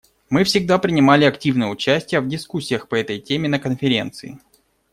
Мы всегда принимали активное участие в дискуссиях по этой теме на Конференции.